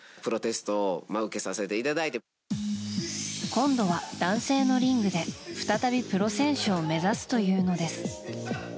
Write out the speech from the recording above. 今度は男性のリングで再びプロ選手を目指すというのです。